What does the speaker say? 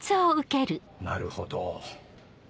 なるほど。